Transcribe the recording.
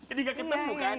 jadi gak ketemu kan